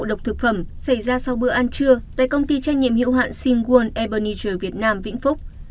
ngộ độc thực phẩm xảy ra sau bữa ăn trưa tại công ty tranh nhiệm hữu hạn seagull ebenezer việt nam vĩnh phúc